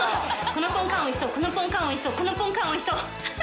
このポンカンおいしそうこのポンカンおいしそうこのポンカンおいしそう。